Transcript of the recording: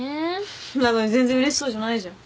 なのに全然うれしそうじゃないじゃん。